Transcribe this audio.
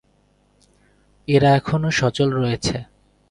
এরা এখনও সচল রয়েছে।